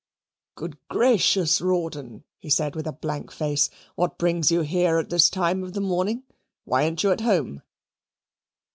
"Good gracious, Rawdon," he said, with a blank face, "what brings you here at this time of the morning? Why ain't you at home?"